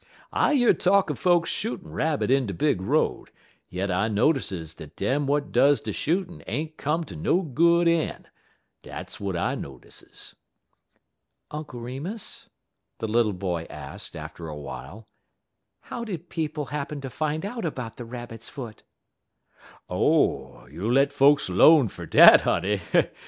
I year talk er folks shootin' rabbit in de big road, yit I notices dat dem w'at does de shootin' ain't come ter no good een' dat w'at I notices." "Uncle Remus," the little boy asked, after a while, "how did people happen to find out about the rabbit's foot?" "Oh, you let folks 'lone fer dat, honey!